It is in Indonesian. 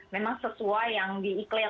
memang sesuai yang diiklankan